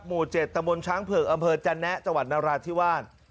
หมู่๗ตะบลช้างเผลิกอำเภอจานแนะจวันนราธิวาล